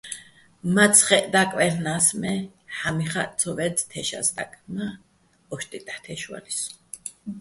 მაცხეჸ დაკვაჲლ'ნა́ს, მე ჰ̦ა́მიხაჸ ცო ვე́წე̆ თეშაჼ სტაკ, მა́ ო́შტიჸ დაჰ̦ თე́შვალისო̆.